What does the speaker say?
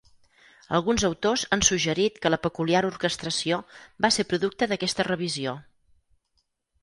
Alguns autors han suggerit que la peculiar orquestració va ser producte d'aquesta revisió.